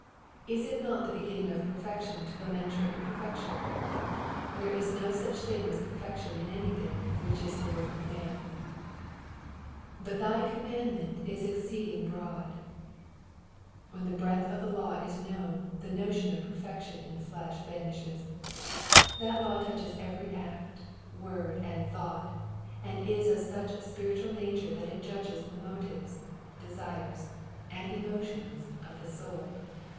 Is it not the beginnmg of perfection to lament your imperfection ? There is no such thing as perfection in anything which is the work of man. ''^Bat thy commandment w exceeding hroad,'''* When the breadth of the law is known the notion of perfection in the flesh vanishes : that law touches every act, word, and thought, and is of such a spiritual nature that it judges the motives, desires, and emotions of the soul.